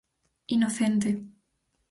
Inocente.